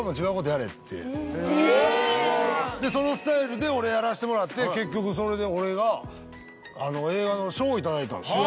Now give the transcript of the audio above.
そのスタイルで俺やらせてもらって結局それで俺が映画の賞を頂いたんです。